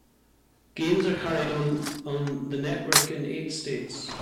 Games are carried on the network in eight states.